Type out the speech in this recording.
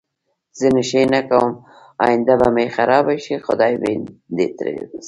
زه نشی نه کوم اینده به می خرابه شی خدای می دی تری وساتی